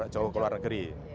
karena sejarah jauh keluar negeri